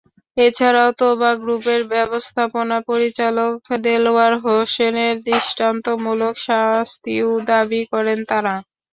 এছাড়াও তোবা গ্রুপের ব্যবস্থাপনা পরিচালক দেলোয়ার হোসেনের দৃষ্টান্তমূলক শাস্তিও দাবি করেন তারা।